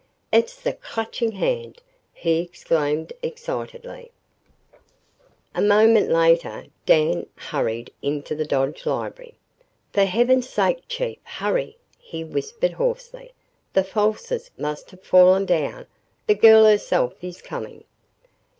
"It's the Clutching Hand!" he exclaimed excitedly. ........ A moment later, Dan hurried into the Dodge library. "For heaven's sake, Chief, hurry!" he whispered hoarsely. "The falsers must have fallen down. The girl herself is coming!"